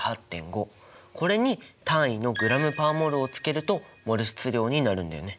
これに単位のｇ／ｍｏｌをつけるとモル質量になるんだよね？